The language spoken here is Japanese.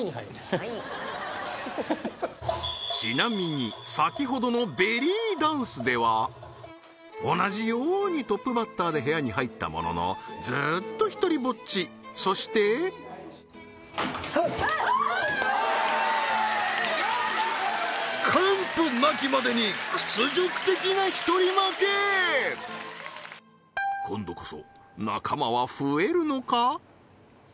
はいちなみに先ほどのベリーダンスでは同じようにトップバッターで部屋に入ったもののずっと１人ぼっちそして完膚なきまでに屈辱的な１人負け今度こそ仲間は増えるのか？